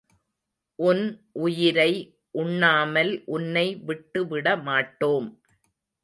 உன் உயிரை உண்ணாமல் உன்னை விட்டுவிட மாட்டோம்.